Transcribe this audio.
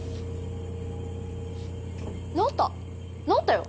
直った直ったよ。